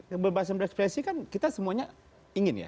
kebebasan berekspresi kan kita semuanya ingin ya